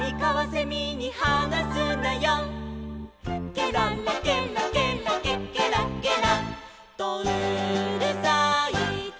「ケララケラケラケケラケラとうるさいぞ」